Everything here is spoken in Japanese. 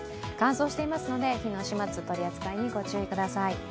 乾燥していますので火の始末取り扱いに御注意ください。